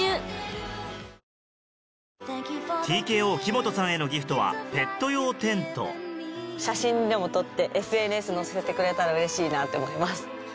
ＴＫＯ・木本さんへのギフトはペット用テント写真でも撮ってＳＮＳ載せてくれたらうれしいなって思います。